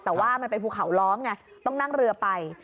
แต่ว่ามันเป็นภูเขาล้อมไงต้องนั่งเรือไป